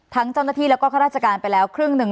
เจ้าหน้าที่แล้วก็ข้าราชการไปแล้วครึ่งหนึ่ง